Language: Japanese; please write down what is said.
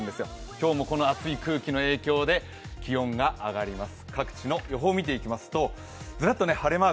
今日もこの暑い空気の影響で気温が上がります。